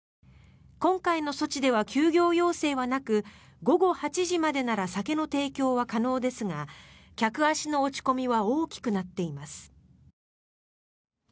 今回の措置では休業要請はなく午後８時までなら酒の提供は可能ですが客足の落ち込みは大きくなっています。